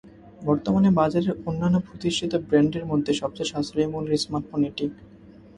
বর্তমানে বাজারের অন্যান্য প্রতিষ্ঠিত ব্র্যান্ডের মধ্যে সবচেয়ে সাশ্রয়ী মূল্যের স্মার্টফোন এটি।